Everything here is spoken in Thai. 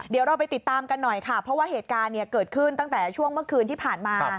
เดี๋ยวเราไปติดตามกันหน่อยค่ะเพราะว่าเหตุการณ์เกิดขึ้นตั้งแต่ช่วงเมื่อคืนที่ผ่านมา